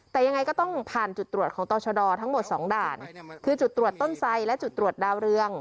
แต่ยังไงก็ต้องผ่านจุดตรวจของต่อชะดอทั้งหมดสองด่านคือจุดตรวจต้นไซดและจุดตรวจดาวเรือง